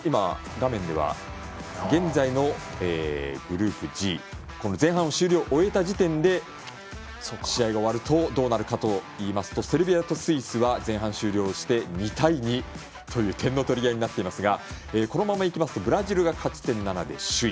現在のグループＧ前半を終えた時点で試合が終わるとどうなるかといいますとセルビアとスイスは前半終了して２対２点の取り合いになっていますがこのままいきますとブラジルが勝ち点７で首位。